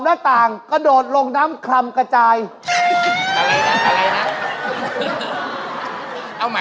แล้วทางไหนเขาก็ไม่รู้นะ